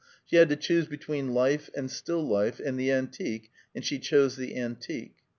She had to choose between life, and still life, and the antique, and she chose the antique.